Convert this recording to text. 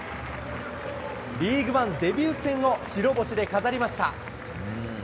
リーグワンデビュー戦を白星で飾りました。